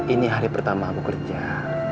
ini hari pertama aku kerja